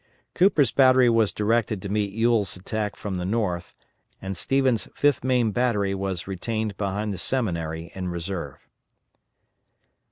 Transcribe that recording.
Cooper's battery was directed to meet Ewell's attack from the north, and Stevens' 5th Maine battery was retained behind the Seminary in reserve.